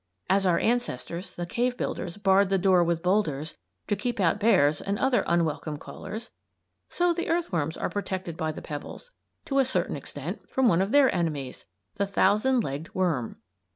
As our ancestors, the cave builders, barred the door with boulders to keep out bears and other unwelcome callers, so the earthworms are protected by the pebbles, to a certain extent, from one of their enemies the thousand legged worm.